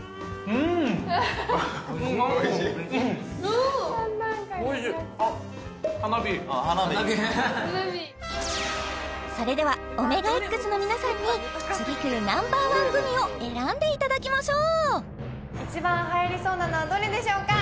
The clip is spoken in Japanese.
うんおいしいそれではＯＭＥＧＡＸの皆さんに次くるＮｏ．１グミを選んでいただきましょう一番はやりそうなのはどれでしょうか？